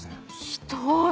ひどい！